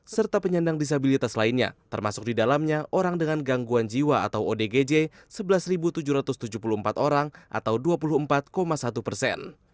serta penyandang disabilitas lainnya termasuk di dalamnya orang dengan gangguan jiwa atau odgj sebelas tujuh ratus tujuh puluh empat orang atau dua puluh empat satu persen